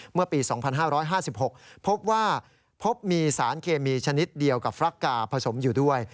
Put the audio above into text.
เมื่อปี๒๕๕๖พบว่าพบมีสารเคมีชนิดเดียวกับฟรักกาผสมอยู่ด้วย